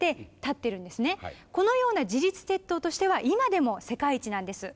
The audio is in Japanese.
このような自立鉄塔としては今でも世界一なんです。